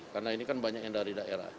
karena ini kan banyak yang dari daerah